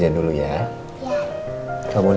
aku juga gak paham